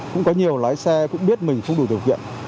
cũng có nhiều lái xe cũng biết mình không đủ điều kiện